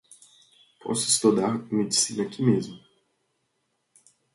Posso estudar medicina aqui mesmo.